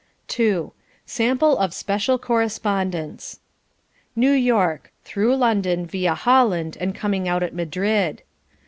II SAMPLE OF SPECIAL CORRESPONDENCE New York (through London via Holland and coming out at Madrid).